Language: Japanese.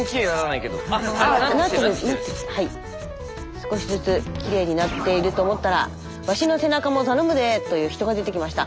少しずつきれいになっていると思ったら「ワシの背なかもたのむで！」という人が出てきました。